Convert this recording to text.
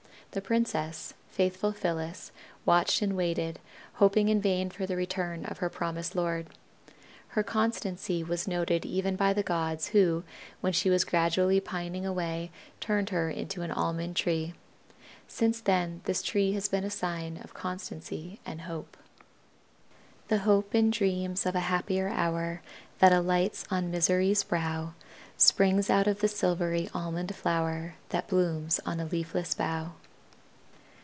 The princess, faithful Phyllis, watched and waited, hoping in vain for the return of her promised lord. Her constancy was noted even by the gods who, when she was gradually pining away, turned her into an Almond tree. Since then this tree has been a sign of constancy and hope. "The hope in dreams of a happier hour, That alights on Misery's brow, Springs out of the silvery Almond flower, That blooms on a leafless bough."